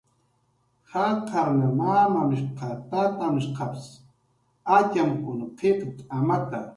Jaqarn mamamshqa, tatamshqaps atxamkun qillqt'amata.